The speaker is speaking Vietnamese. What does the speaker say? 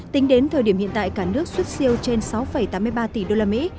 tính đến thời điểm hiện tại cả nước xuất siêu trên sáu tám mươi ba tỷ đô la mỹ